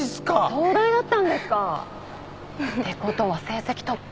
総代だったんですか！ってことは成績トップ。